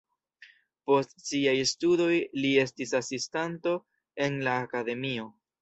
Post siaj studoj li estis asistanto en la akademio.